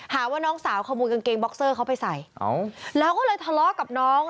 หาว่าน้องสาวขโมยกางเกงบ็อกเซอร์เขาไปใส่แล้วก็เลยทะเลาะกับน้อง